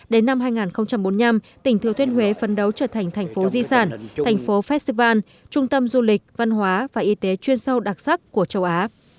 đến năm hai nghìn bốn mươi năm tỉnh thừa thuyết huế phấn đấu trở thành thành phố di sản thành phố festival trung tâm du lịch văn hóa và y tế chuyên sâu đặc sắc của châu á